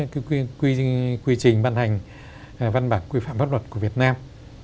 cái quy trình ban hành văn bản quy phạm pháp luật của việt nam